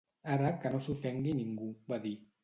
Ara que no s'ofengui ningú, va dir